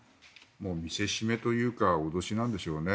見せしめというか脅しなんでしょうね。